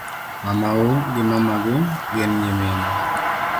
Mamau gi mamagi gin nyimine